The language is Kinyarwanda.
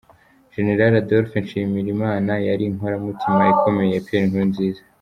General Adolphe Nshimirimana yari inkoramutima ikomeye ya Pierre Nkurunziza.